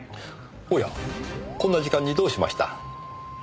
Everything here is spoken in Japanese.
おやこんな時間にどうしました？